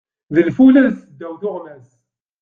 D lfula seddaw tuɣmas.